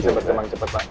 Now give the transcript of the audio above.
semang semang cepet banget